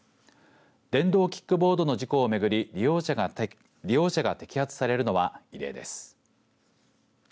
電動キックボードの事故をめぐり利用者が摘発されるのは異例です。